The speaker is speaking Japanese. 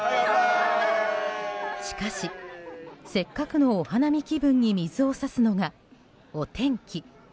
しかし、せっかくのお花見気分に水を差すのがお天気。